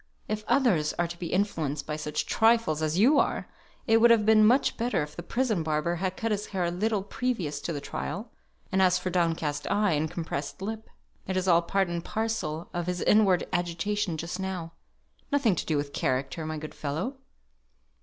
If others are to be influenced by such trifles as you are, it would have been much better if the prison barber had cut his hair a little previous to the trial; and as for down cast eye, and compressed lip, it is all part and parcel of his inward agitation just now; nothing to do with character, my good fellow."